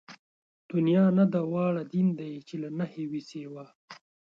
دنيا نه ده واړه دين دئ چې له نَهېِ وي سِوا